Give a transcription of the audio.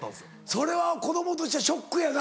それは子供としてはショックやな。